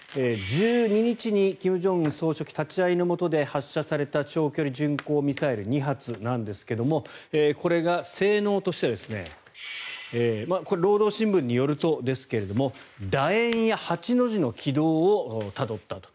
１２日に金正恩総書記立ち会いのもとで発射された長距離巡航ミサイル２発なんですがこれが性能としては労働新聞によるとですが楕円や８の字の軌道をたどったと。